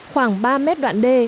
khoảng ba mét đoạn đê